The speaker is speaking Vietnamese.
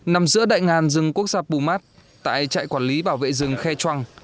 nằm giữa đại ngàn rừng quốc gia pumat tại trại quản lý bảo vệ rừng khe chuang